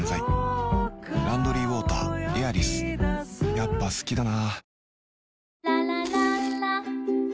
やっぱ好きだな